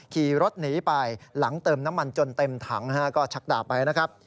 ขี่รถหนีไปหลังเติมน้ำมันจนเต็มถังก็ชักดาไปนะครับ